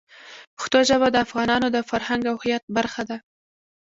پښتو ژبه د افغانانو د فرهنګ او هویت برخه ده.